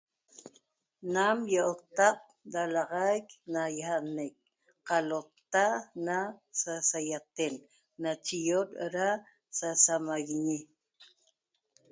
Nam i'otta't dalaxaic nayajnec qalota na sa sayaten nache i'ot da sa samaguiñi